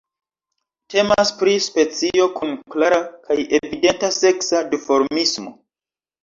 Temas pri specio kun klara kaj evidenta seksa duformismo.